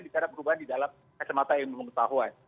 tapi di dalam kacamata ilmu pengetahuan